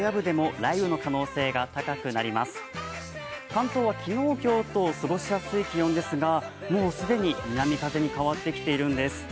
関東は昨日と今日と過ごしやすい気温ですが、既に南風に変わってきているんです。